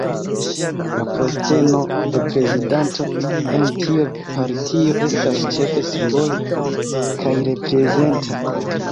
La posteno de prezidanto en tiu partio estas ĉefe simbola kaj reprezenta.